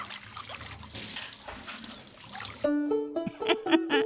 フフフフ。